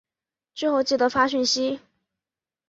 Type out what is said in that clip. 之后记得发讯息